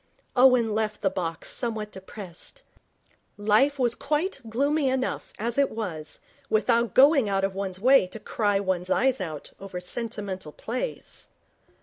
Owen left the box somewhat depressed. Life was quite gloomy enough as it was, without going out of one's way to cry one's eyes out over sentimental plays.